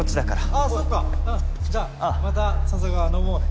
あっそっかうんじゃあまた笹川飲もうね。